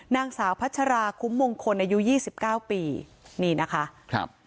นางสาวพัชราคุ้มมงคลอายุยี่สิบเก้าปีนี่นะคะครับ